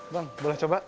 bang boleh coba